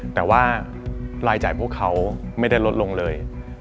แต่ว่ารายจ่ายพวกเขาไม่ได้ลดลงเลย